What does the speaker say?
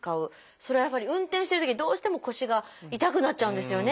それはやっぱり運転してるときどうしても腰が痛くなっちゃうんですよね。